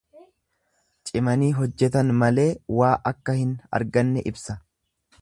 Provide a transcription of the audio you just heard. Cimaanii hojjetan malee waa akka hin arganne ibsa.